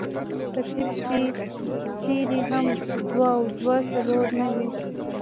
پۀ طب کښې چرته هم دوه او دوه څلور نۀ وي -